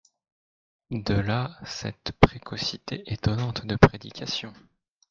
De là cette précocité étonnante de prédication.